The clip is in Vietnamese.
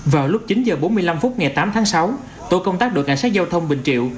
vào lúc chín h bốn mươi năm phút ngày tám tháng sáu tổ công tác đội cảnh sát giao thông bình triệu